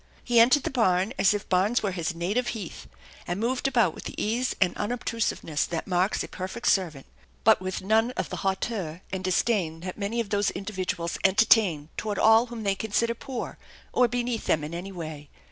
He enterpd the barn as if barns were his native heath, and 15 226 THE ENCHANTED BARN moved about with the ease and unobtrusiveness that marks a perfect servant, but with none of the hauteur and disdain that many of those individuals entertain toward all whom they consider poor or beneath them in any way.